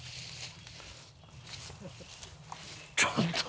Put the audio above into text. ちょっと。